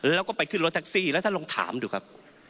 แล้วก็ไปขึ้นรถแท็กซี่แล้วท่านลองถามดูครับ